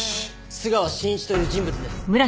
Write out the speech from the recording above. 須川信一という人物です。